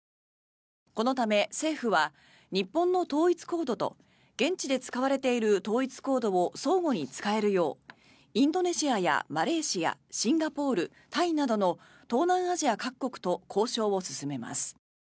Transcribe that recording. このため、政府は日本の統一コードと現地で使われている統一コードを相互に使えるようインドネシアやマレーシアシンガポール、タイなどの東南アジア各国と交渉を進めます。